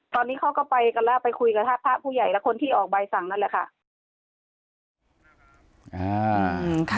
ตอนนี้เขาก็ไปกันแล้วไปคุยกับพระผู้ใหญ่และคนที่ออกใบสั่งนั่นแหละค่ะ